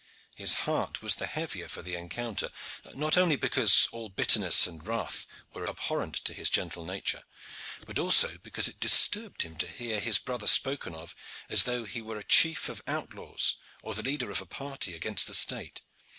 His heart was the heavier for the encounter, not only because all bitterness and wrath were abhorrent to his gentle nature, but also because it disturbed him to hear his brother spoken of as though he were a chief of outlaws or the leader of a party against the state.